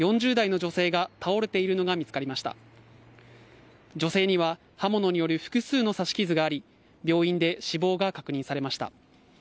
女性には、刃物による複数の刺し傷があり病院で死亡が確認されました。